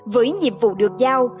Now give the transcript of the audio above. với nhiệm vụ được giao